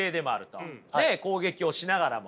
ねえ攻撃をしながらも。